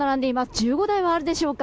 １５台はあるでしょうか。